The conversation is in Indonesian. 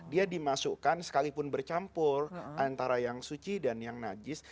dia dimasukkan sekalipun bercampur antara yang suci dan yang najis